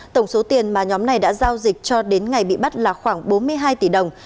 tổng số tiền mà nhóm này đã giao dịch cho đến ngày bị bắt là khoảng bốn mươi hai tỷ đồng